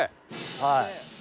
はい。